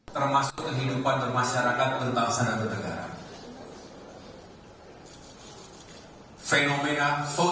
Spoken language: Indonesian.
termasuk kehidupan masyarakat tentang sanat dan tegangan fenomena